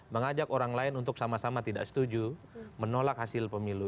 mengajak orang lain untuk sama sama tidak setuju menolak hasil pemilu